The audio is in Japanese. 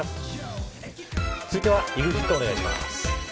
続いてはＥＸＩＴお願いします。